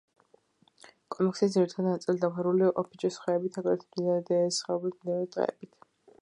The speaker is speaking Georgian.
კომპლექსის ძირითადი ნაწილი დაფარულია ფიჭვის ხეებით, აგრეთვე მდინარე დიეს სიახლოვეს მდინარისპირა ტყეებით.